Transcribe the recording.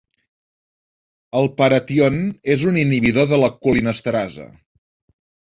El paration és un inhibidor de la colinesterasa.